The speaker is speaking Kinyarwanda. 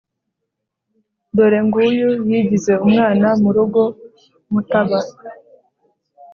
dore ng'uyu yigize umwana mu rugo mutaba!